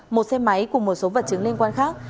một xe máy cùng một số vật chứng liên quan khác